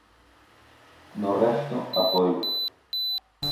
No resto, apoio.